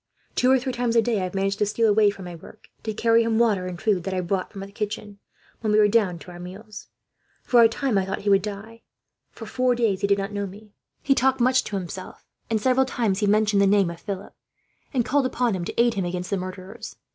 Two or three times a day I have managed to steal away from my work, to carry him water and food that I brought from the kitchen, when we went down to our meals. For a time, I thought he would die; for four days he did not know me. He talked much to himself and, several times, he mentioned the name of Philip, and called upon him to aid him against the murderers.